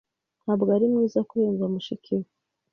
Ntabwo ari mwiza kurenza mushiki we.